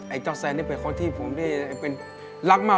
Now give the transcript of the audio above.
เจ้าแซนนี่เป็นคนที่ผมได้เป็นรักมาก